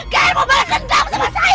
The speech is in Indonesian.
kalian mau balas gendang sama saya